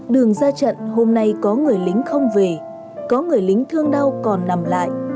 đường ra trận hôm nay có người lính không về có người lính thương đau còn nằm lại